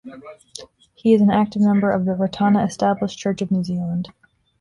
He is an active member of the Ratana Established Church of New Zealand.